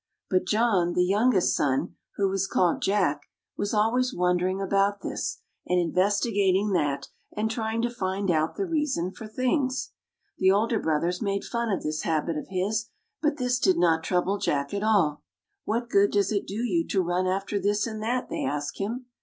But John, the youngest son, who was called Jack, was always wondering about this, and investi gating that, and trying to find out the reason for things. The older brothers made fun of this habit of his, but this did not trouble Jack at all. " What good does it do you to run after this and that?'' they asked him.